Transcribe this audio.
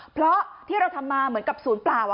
เพราะที่เราทำมาเหมือนสูญปลาวะ